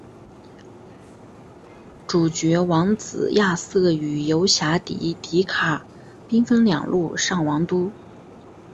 主角王子亚瑟与游侠迪迪卡兵分两路上王都。